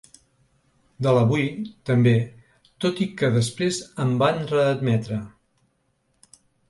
De l’Avui, també, tot i que després em van readmetre.